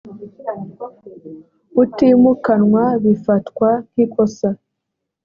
utimukanwa bifatwa nk ikosa